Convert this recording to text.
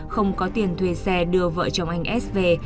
không có tiền thuê xe đưa vợ chồng anh s về